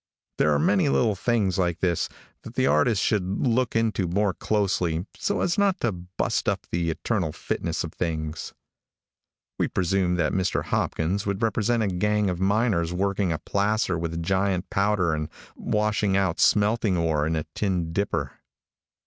There are many little things like this that the artist should look into more closely so as not to bust up the eternal fitness of things. We presume that Mr Hopkins would represent a gang of miners working a placer with giant powder and washing out smelting ore in a tin dipper.